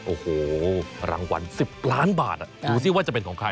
โอ้โหรางวัล๑๐ล้านบาทดูสิว่าจะเป็นของใคร